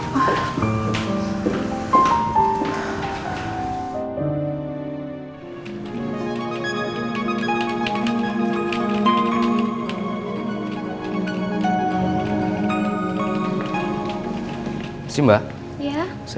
kamu istirahat kemari ya